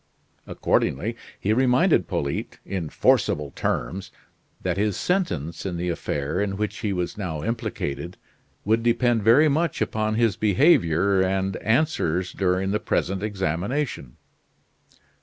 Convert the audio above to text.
Accordingly, he reminded Polyte, in forcible terms, that his sentence in the affair in which he was now implicated would depend very much upon his behavior and answers during the present examination.